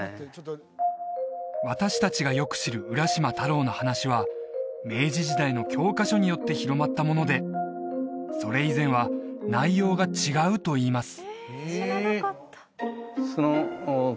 私達がよく知る「浦島太郎」の話は明治時代の教科書によって広まったものでそれ以前は内容が違うといいます